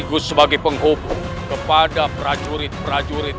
dan juga sebagai penghubung kepada prajurit prajurit